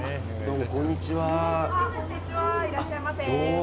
いらっしゃいませ。